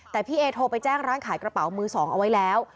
แต่พี่เอโทรไปแจ้งร้านขายกระเป๋ามือสองเอาไว้แล้ว